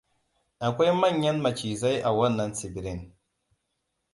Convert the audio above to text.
Akwai manyan macizai a wannan tsibirin.